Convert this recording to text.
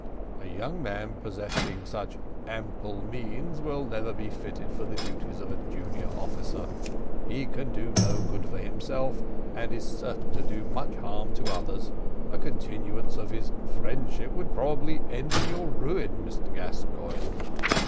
A young man possessing such ample means will never be fitted for the duties of a junior officer. He can do no good for himself, and is certain to do much harm to others: a continuance of his friendship would probably end in your ruin, Mr Gascoigne.